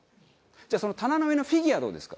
じゃあその棚の上のフィギュアどうですか？